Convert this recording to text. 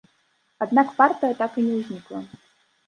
Аднак партыя так і не ўзнікла.